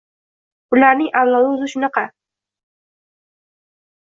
Bularning avlodi o‘zi shunaqa.